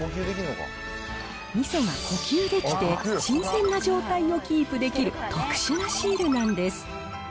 みそが呼吸できて、新鮮な状態をキープできる特殊なシールなんです。